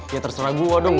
ya terserah gue dong